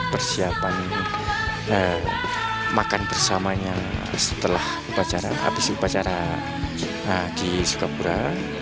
persiapan makan bersamanya setelah upacara habis upacara di sukabura